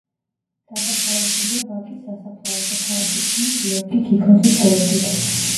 დასაფლავებულია ვაკის სასაფლაოზე თავისი ძმის გიორგი ქიქოძის გვერდით.